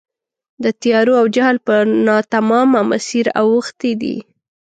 د تیارو او جهل پر ناتمامه مسیر اوښتي دي.